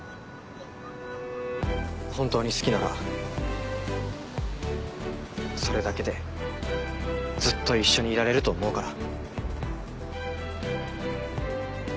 本当に好きならそれだけでずっと一緒にいられると思うから。